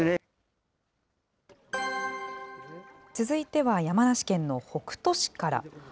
続いては山梨県の北杜市から。